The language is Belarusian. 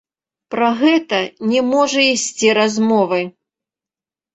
Пра гэта не можа ісці размовы!